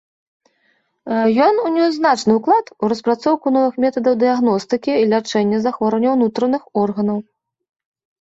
Ён ўнёс значны ўклад у распрацоўку новых метадаў дыягностыкі і лячэння захворванняў унутраных органаў.